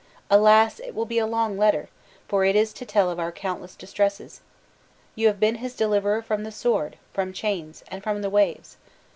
Alas! it will be a long letter! for it is to tell of our countless distresses. You have been his deliverer from the sword, from chains, and from the waves.